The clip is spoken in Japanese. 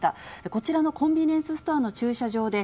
こちらのコンビニエンスストアの駐車場で、